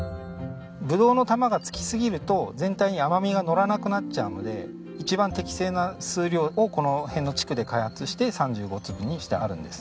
ぶどうの玉が付きすぎると全体に甘みがのらなくなっちゃうので一番適正な数量をこの辺の地区で開発して３５粒にしてあるんです。